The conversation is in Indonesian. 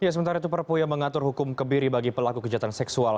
sementara itu perpu yang mengatur hukum kebiri bagi pelaku kejahatan seksual